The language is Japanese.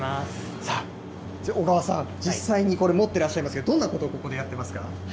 小川さん、実際にこれ、持ってらっしゃいますけど、どんなことをここでやってますか？